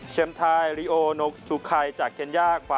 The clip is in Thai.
เชมไทลิโอนกทุคัยจากเกรนยาก